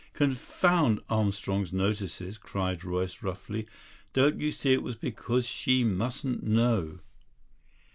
"Confound Armstrong's notices," cried Royce roughly. "Don't you see it was because she mustn't know?"